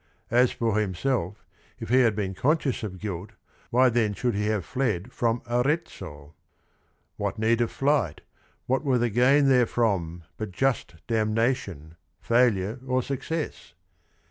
As for himself if he had been conscious of guilt, why should he have fled from Arezzo ? "What need of flight, what were the gain therefrom But just damnation, failure or success?